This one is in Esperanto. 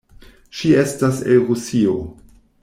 Ŝi estas el Rusio.